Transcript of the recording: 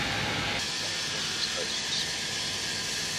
Matt Rogers hosts.